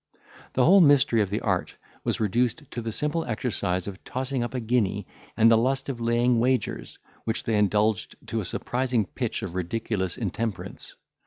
The whole mystery of the art was reduced to the simple exercise of tossing up a guinea, and the lust of laying wagers, which they indulged to a surprising pitch of ridiculous intemperance.